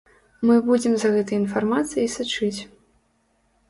Мы будзем за гэтай інфармацыяй сачыць.